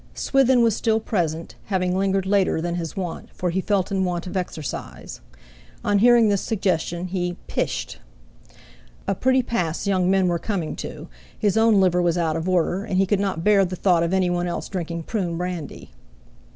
Swithin was still present, having lingered later than his wont, for he felt in want of exercise. On hearing this suggestion, he "pished." A pretty pass young men were coming to! His own liver was out of order, and he could not bear the thought of anyone else drinking prune brandy.